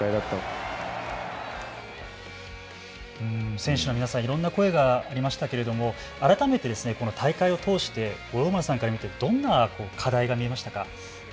選手の皆さん、いろんな声がありましたけれども改めてこの大会を通してどんな課題が見えましたか。